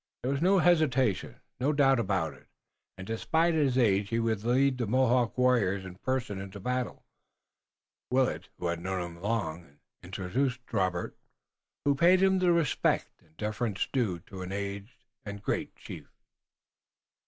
There was no hesitation, no doubt about him, and despite his age he would lead the Mohawk warriors in person into battle. Willet, who had known him long, introduced Robert, who paid him the respect and deference due to an aged and great chief.